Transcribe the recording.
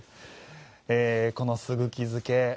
この、すぐき漬け。